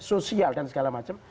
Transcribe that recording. sosial dan segala macam